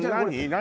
何？